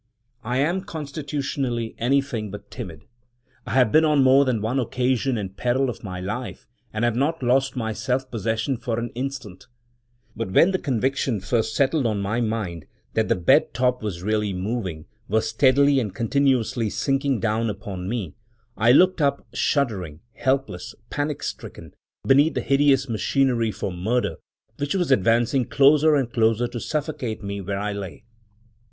I am, constitutionally, anything but timid. I have been on more than one occasion in peril of my life, and have not lost my self possession for an instant; but when the conviction first settled on my mind that the bed top was really moving, was steadily and continuously sinking down upon me, I looked up shuddering, helpless, panic stricken, beneath the hideous machinery for murder, which was advancing closer and closer to suffocate me where I lay.